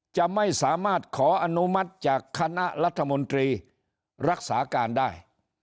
จะไม่สามารถขออนุมัติจากคณะรัฐมนตรีรักษาการได้